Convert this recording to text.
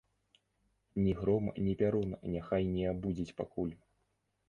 Ні гром, ні пярун няхай не абудзіць пакуль.